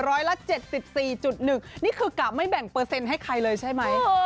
ร้อยละ๗๔๑นี่คือกะไม่แบ่งเปอร์เซ็นต์ให้ใครเลยใช่ไหม